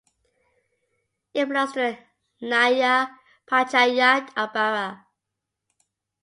It belongs to the nyaya panchayat of Bara.